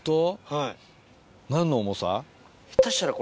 はい。